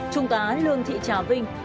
trung tá lương thị trà vinh